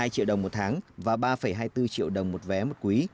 hai triệu đồng một tháng và ba hai mươi bốn triệu đồng một vé một quý